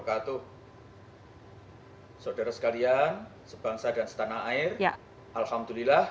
assalamualaikum warahmatullahi wabarakatuh